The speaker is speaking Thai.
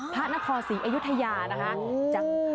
พระนครศรีอยุธยานะคะ